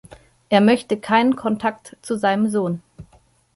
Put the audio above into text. Er möchte keinen Kontakt zu seinem Sohn.